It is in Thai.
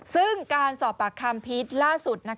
ซึ่งการสอบปากคำพีชล่าสุด